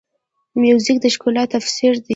موزیک د ښکلا تفسیر دی.